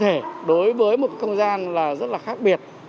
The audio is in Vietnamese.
và đối với một không gian là rất là khác biệt